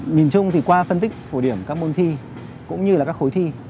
nhìn chung thì qua phân tích phổ điểm các môn thi cũng như là các khối thi